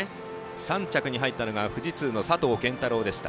３着に入ったのが富士通の佐藤拳太郎でした。